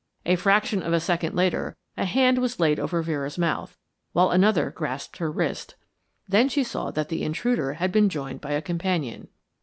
A fraction of a second later a hand was laid over Vera's mouth, while another grasped her wrist; then she saw that the intruder had been joined by a companion.